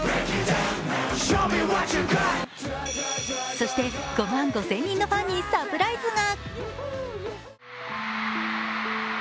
そして、５万５０００人のファンにサプライズが。